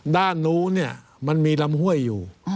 ด้านโน้นมันมีลำห่วยอยู่